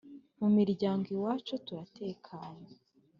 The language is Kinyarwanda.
Mu miryango iwacu turatekanye